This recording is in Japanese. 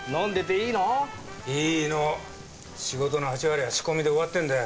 いいの仕事の８割は仕込みで終わってんだよ。